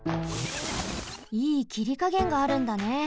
いいきりかげんがあるんだね。